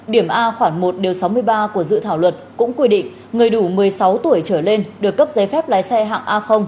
điểm a khoảng một sáu mươi ba của dự thảo luật cũng quy định người đủ một mươi sáu tuổi trở lên được cấp giấy phép lái xe hạng a